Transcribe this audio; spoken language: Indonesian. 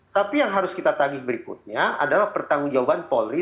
tapi yang harus kita tagih berikutnya adalah pertanggung jawaban polri